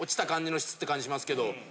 感じしますけど。